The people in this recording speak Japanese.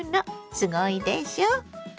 すごいでしょ。